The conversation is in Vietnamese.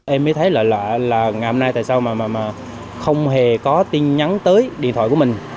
em mới thấy là ngày hôm nay tại sao mà không hề có tin nhắn tới điện thoại của mình